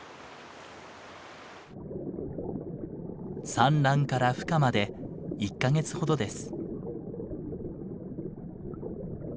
産卵からふ化まで１か月ほどです。